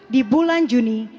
di bulan juni